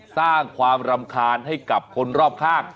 สร้างความรำคาญให้กับคนรอบข้าง